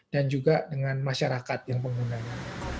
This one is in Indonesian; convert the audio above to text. dan juga dengan masyarakat yang penggunanya